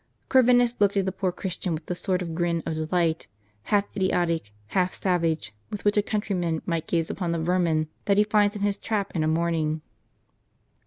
Corvinus looked at the poor Christian with the sort of grin of delight, half idiotic, half savage, with which a countryman might gaze upon the vermin that he finds in his trap in a morning.